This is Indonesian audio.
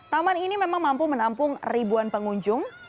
taman ini memang mampu menampung ribuan pengunjung